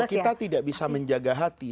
kita tidak bisa menjaga hati